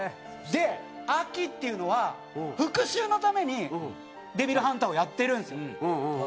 でアキっていうのは復讐のためにデビルハンターをやってるんですよ。